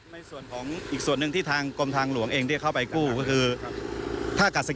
ในส่วนของอีกส่วนหนึ่งที่ทางกรมทางหลวงเองที่เข้าไปกู้ก็คือท่ากาศ